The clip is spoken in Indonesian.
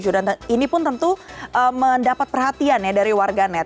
dan ini pun tentu mendapat perhatian dari warga net